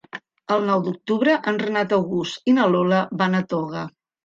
El nou d'octubre en Renat August i na Lola van a Toga.